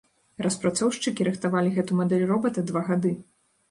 Распрацоўшчыкі рыхтавалі гэту мадэль робата два гады.